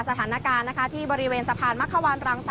สถานการณ์ที่บริเวณสะพานมักขวานรัง๓